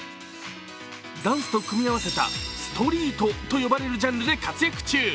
ダンスと組み合わせたストリートと呼ばれるジャンルで活躍中。